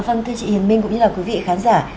vâng thưa chị hiền minh cũng như là quý vị khán giả